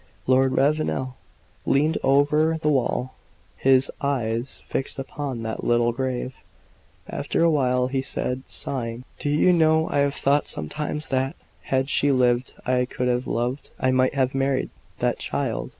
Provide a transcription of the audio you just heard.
Lord Ravenel leaned over the wall, his eyes fixed upon that little grave. After a while, he said, sighing: "Do you know, I have thought sometimes that, had she lived, I could have loved I might have married that child!"